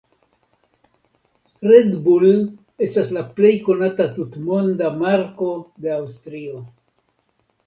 Red Bull estas la plej konata tutmonda marko de Aŭstrio.